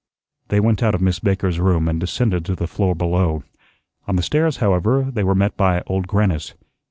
They went out of Miss Baker's room and descended to the floor below. On the stairs, however, they were met by Old Grannis.